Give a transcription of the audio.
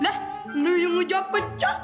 lah nih yang ngejah pecah